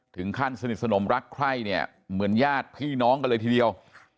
ถึงขั้นสนิทสนมรักใคร่เนี่ยเหมือนญาติพี่น้องกันเลยทีเดียว